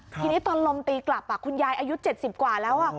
ทีนี้ตอนลมตีกลับคุณยายอายุ๗๐กว่าแล้ว